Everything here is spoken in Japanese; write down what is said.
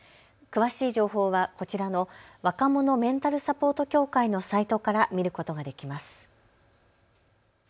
詳しい情報はこちらの若者メンタルサポート協会のサイトから見ることができます。